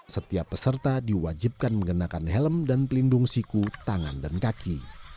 setiap peserta diwajibkan mengenakan helm dan pelindung siku tangan dan kaki